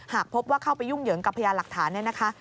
หากพบว่าเข้าไปยุ่งเหยิงกับพยานหลักฐานเนี่ยนะคะ